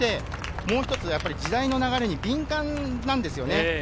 もう一つ時代の流れに敏感なんですよね。